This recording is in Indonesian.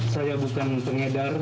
saya bukan pengedar